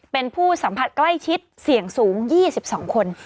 เป็นผู้สัมผัสใกล้ชิดเสี่ยงสูง๒๒คน